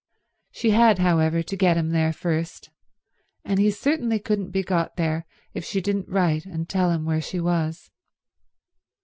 She had, however, to get him there first, and he certainly couldn't be got there if she didn't write and tell him where she was.